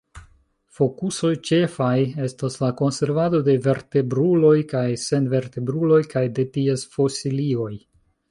Fokusoj ĉefaj estas la konservado de vertebruloj kaj senvertebruloj kaj de ties fosilioj.